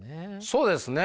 そうですね。